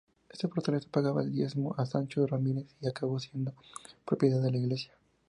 Esta fortaleza pagaba diezmo a Sancho Ramirez y acabó siendo propiedad de la iglesia.